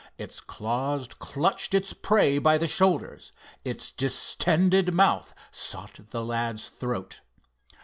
Its claws clutched its prey by the shoulders. Its distended mouth sought the lad's throat.